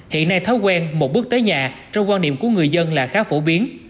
hiện nay thói quen một bước tới nhà trong quan niệm của người dân là khá phổ biến